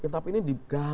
tapi ini digambarkan